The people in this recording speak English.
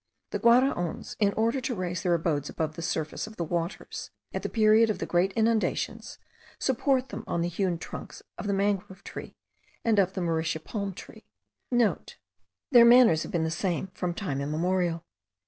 The Guaraons, in order to raise their abodes above the surface of the waters at the period of the great inundations, support them on the hewn trunks of the mangrove tree and of the Mauritia palm tree.* (* Their manners have been the same from time immemorial.